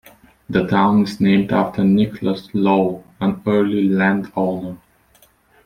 The town is named after Nicholas Low, an early landowner.